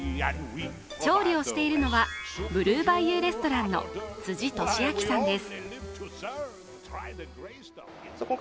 調理をしているのはブルーバイユー・レストランの辻利晃さんです。